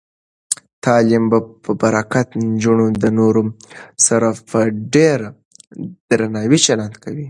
د تعلیم په برکت، نجونې د نورو سره په ډیر درناوي چلند کوي.